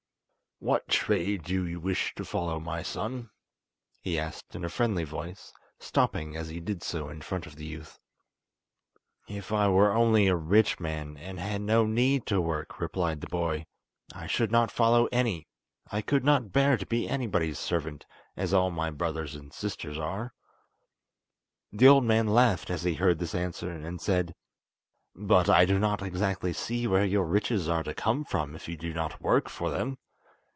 "What trade do you wish to follow, my son?" he asked in a friendly voice, stopping as he did so in front of the youth. "If I were only a rich man, and had no need to work," replied the boy, "I should not follow any. I could not bear to be anybody's servant, as all my brothers and sisters are." The old man laughed as he heard this answer, and said: "But I do not exactly see where your riches are to come from if you do not work for them.